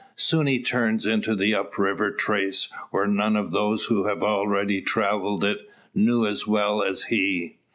Soon he turns into the up river trace, which none of those who have already travelled it, knew as well as he.